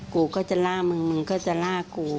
กูก็จะล่ามึงมึงก็จะล่ากู